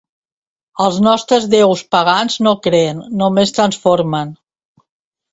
Els nostres déus pagans no creen, només transformen.